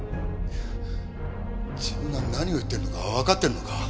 自分が何を言っているのかわかってるのか？